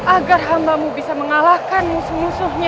agar hambamu bisa mengalahkan musuh musuhnya